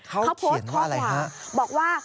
เขาโพสต์ข้อความบอกว่า